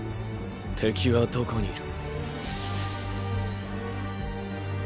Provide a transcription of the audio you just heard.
敵はどこにいる。！！